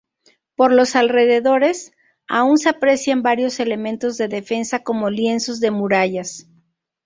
Por los alrededores aún se aprecian varios elementos de defensa como lienzos de murallas.